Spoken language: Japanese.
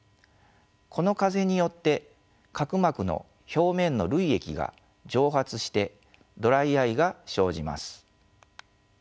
この風によって角膜の表面の涙液が蒸発してドライアイが生じます。